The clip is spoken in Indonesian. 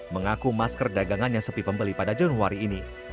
mengaku masker dagangan yang sepi pembeli pada januari ini